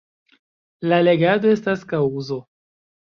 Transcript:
La legado estas kaŭzo.